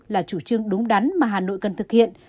là chủ trương đúng đắn mà hà nội cần thực hiện